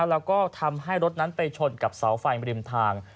แล้วก็ทำให้รถนั้นไปชนกับเสาไฟริมทาง